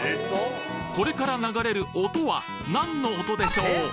これから流れる音は何の音でしょう？